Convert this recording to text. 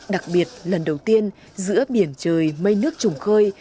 đặc biệt lần đầu tiên giữa biển trời mây nước trùng khơi